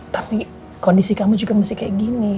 tapi kondisi kamu juga mesti kayak gini